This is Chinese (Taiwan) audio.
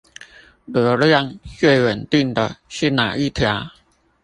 流量最穩定的是那一條？